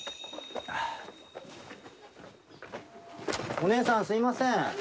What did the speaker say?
お姉さんすみません。